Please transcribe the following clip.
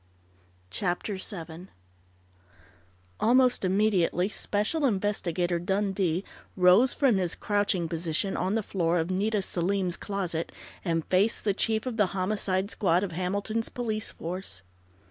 CHAPTER SEVEN Almost immediately Special Investigator Dundee rose from his crouching position on the floor of Nita Selim's closet, and faced the chief of the Homicide Squad of Hamilton's police force.